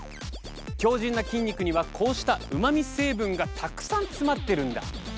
強靱な筋肉にはこうしたうまみ成分がたくさん詰まってるんだ。